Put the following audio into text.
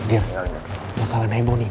gila masalah nebo nih